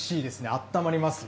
あったまります。